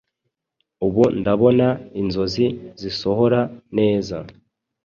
Ubu ndabona inzozi zisohora neza.